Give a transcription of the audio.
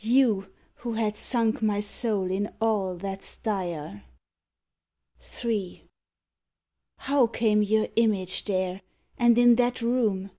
You, who had sunk my soul in all that's dire! III. How came your image there? and in that room!